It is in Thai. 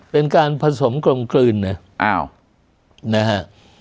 เป็นการผสมกลมคลื่นนะฮะ